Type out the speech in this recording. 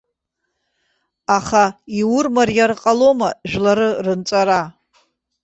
Аха иурмариар ҟалома жәлары рынҵәара!